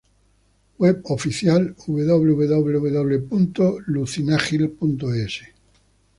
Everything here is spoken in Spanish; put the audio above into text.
Web oficial: www.lucinagil.es